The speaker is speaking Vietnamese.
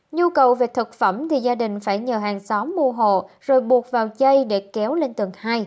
nhu cầu về thực phẩm thì gia đình phải nhờ hàng xóm mua hồ rồi buộc vào dây để kéo lên tầng hai